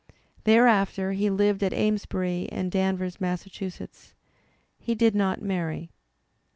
Thereafter he lived at Amesbury and Danvers, Massa chusetts. He did not marry.